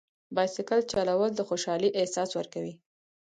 بایسکل چلول د خوشحالۍ احساس ورکوي.